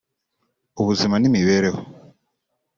ubuzima n’imibereho